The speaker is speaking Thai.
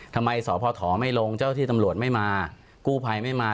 ทำไมสพไม่ลงเจ้าที่ตำรวจไม่มากู้ภัยไม่มา